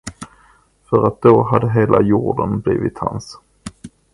För att då hade hela hjorden blivit hans.